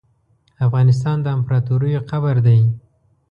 افغانستان د امپراتوریو قبر ده .